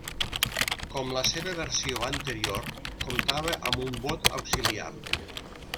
Com la seva versió anterior, comptava amb un bot auxiliar.